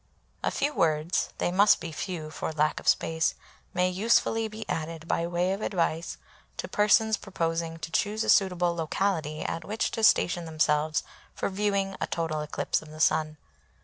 A few words (they must be few for lack of space) may usefully be added, by way of advice, to persons proposing to choose a suitable locality at which to station themselves for viewing a total eclipse of the Sun.